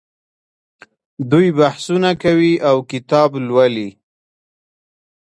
دوی بحثونه کوي او کتاب لوالي.